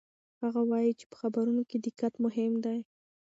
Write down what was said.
هغه وایي چې په خبرونو کې دقت مهم دی.